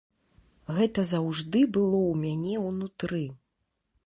Гэта заўжды было ў мяне ўнутры.